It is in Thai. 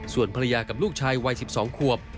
ส่วนภรรยากับลูกชายวัย๑๒ควบ